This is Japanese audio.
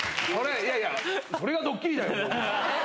いやいや、これがドッキリだよ。